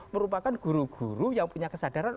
merupakan guru guru yang punya kesadaran